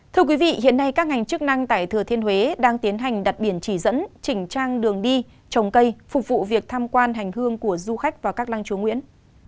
thưa quý vị hiện nay các ngành chức năng tại thừa thiên huế đang tiến hành đặt biển chỉ dẫn chỉnh trang đường đi trồng cây phục vụ việc tham quan hành hương của du khách vào các lăng chúa nguyễn